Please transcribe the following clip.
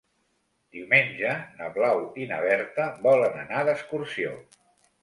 Diumenge na Blau i na Berta volen anar d'excursió.